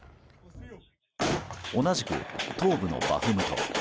同じく東部のバフムト。